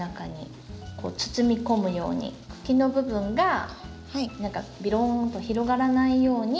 こう包み込むように茎の部分が何かビローンと広がらないように。